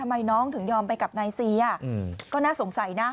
ทำไมน้องถึงยอมไปกับนายเซียก็น่าสงสัยนะ